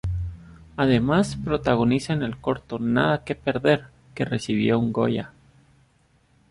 Además protagoniza en el corto "Nada que perder" que recibió un Goya.